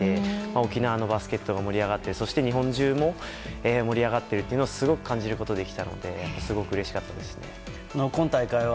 沖縄のバスケットが盛り上がってそして日本中も盛り上がっているのをすごく感じることができたので今大会は